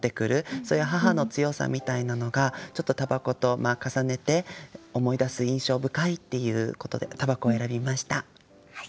そういう母の強さみたいなのがちょっと煙草と重ねて思い出す印象深いっていうことで「煙草」を選びました。